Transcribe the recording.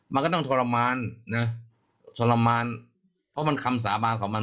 มันก็ต้องทรมานเพราะคำสาบานของมัน